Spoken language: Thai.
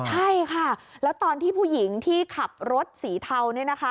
ใช่ค่ะแล้วตอนที่ผู้หญิงที่ขับรถสีเทา